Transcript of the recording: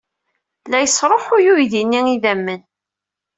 La yesṛuḥuy uydi-nni idammen!